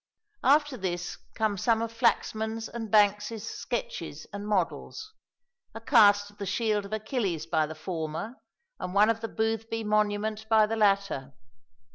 After this come some of Flaxman's and Banks's sketches and models, a cast of the shield of Achilles by the former, and one of the Boothby monument by the latter.